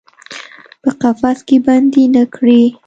په قفس کې بندۍ نه کړي